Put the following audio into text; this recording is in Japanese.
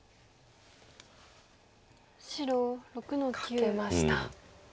カケました。